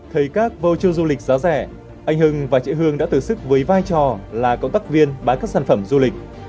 thấy các vô chơ du lịch giá rẻ anh hưng và chị hương đã tự sức với vai trò là công tác viên bán các sản phẩm du lịch